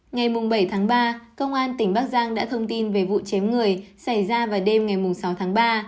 ngày bảy tháng ba công an tỉnh bắc giang đã thông tin về vụ chém người xảy ra vào đêm ngày sáu tháng ba